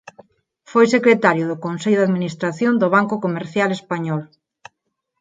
Foi secretario do Consello de Administración do Banco Comercial Español.